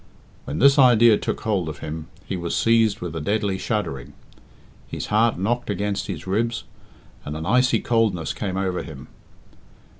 When this idea took hold of him, he was seized with a deadly shuddering. His heart knocked against his ribs, and an icy coldness came over him.